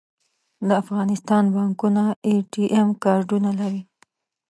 د افغانستان بانکونه اې ټي ایم کارډونه لري